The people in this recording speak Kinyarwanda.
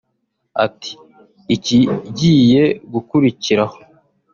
Ati “ikigiye gukurikiraho